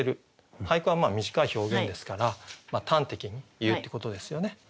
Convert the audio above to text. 俳句は短い表現ですから端的に言うってことですよね。